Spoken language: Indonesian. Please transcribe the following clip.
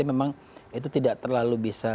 memang itu tidak terlalu bisa